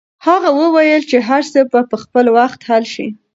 هغه وویل چې هر څه به په خپل وخت حل شي.